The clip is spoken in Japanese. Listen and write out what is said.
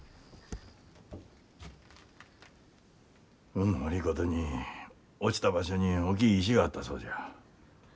運の悪いことに落ちた場所に大きい石があったそうじゃ。